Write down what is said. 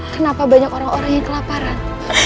kenapa banyak orang orang yang kelaparan